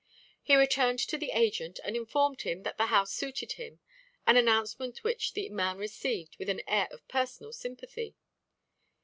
He returned to the agent, and informed him that the house suited him, an announcement which the man received with an air of personal sympathy.